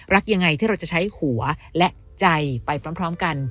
รักยังไงที่เราจะใช้หัวและใจไปพร้อมกัน